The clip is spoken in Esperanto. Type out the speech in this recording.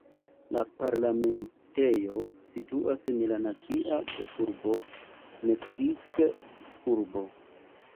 La parlamentejo situas en la nacia ĉefurbo Meksik-urbo.